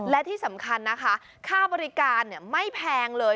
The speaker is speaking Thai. และที่สำคัญนะคะค่าบริการไม่แพงเลย